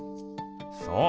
そう。